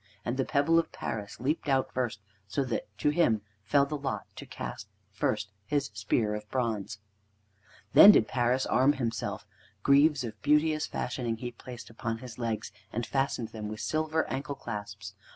And the pebble of Paris leapt out the first, so that to him fell the lot to cast first his spear of bronze. Then did Paris arm himself. Greaves of beauteous fashioning he placed upon his legs, and fastened them with silver ankle clasps.